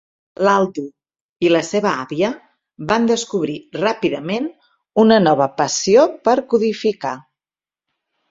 L'Aldo i la seva àvia van descobrir ràpidament una nova passió per codificar.